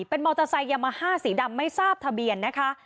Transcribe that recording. เป็นมอเตอร์ไซค์ยามาฮ่าสีดำไม่ทราบทะเบียนนะคะ